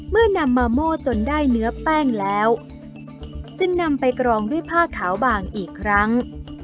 นำมาหม้อจนได้เนื้อแป้งแล้วจึงนำไปกรองด้วยผ้าขาวบางอีกครั้ง